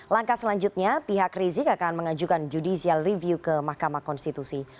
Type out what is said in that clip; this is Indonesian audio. langkah selanjutnya pihak rizik akan mengajukan judicial review ke mahkamah konstitusi